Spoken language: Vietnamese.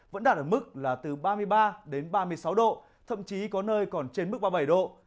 vẫn đạt ở mức là từ ba mươi ba đến ba mươi sáu độ thậm chí có nơi còn trên mức ba mươi bảy độ